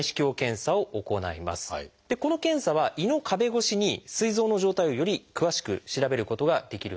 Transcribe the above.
この検査は胃の壁越しにすい臓の状態をより詳しく調べることができるんです。